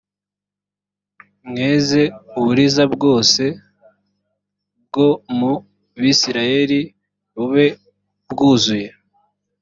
mweze uburiza bwose bwo mu bisirayeli bube bwuzuye